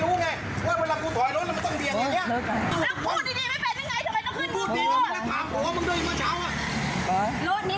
กูบอกว่าจะแม้งกูถอยแล้วมันเห็นไหมมันไม่มีรถทนมันไม่รู้ไง